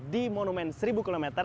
di monumen seribu km